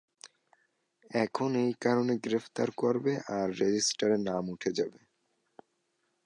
এখন এই কারণে গ্রেফতার করবে, আর রেজিষ্টারে নাম উঠে যাবে।